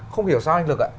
không hiểu sao anh lực ạ